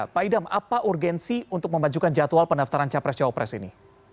pak idam apa urgensi untuk memajukan jadwal pendaftaran capres cawapres ini